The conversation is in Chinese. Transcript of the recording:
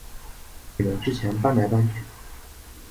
你们之前搬来搬去